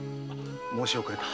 申し遅れた。